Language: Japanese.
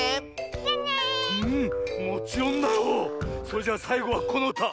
それじゃさいごはこのうた！